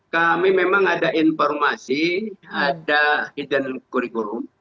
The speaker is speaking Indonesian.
kami memang ada informasi ada hidden kurikulum